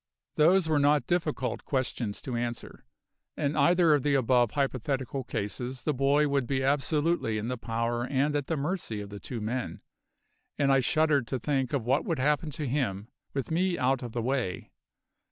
Those were not difficult questions to answer. In either of the above hypothetical cases the boy would be absolutely in the power and at the mercy of the two men; and I shuddered to think of what would happen to him, with me out of the way.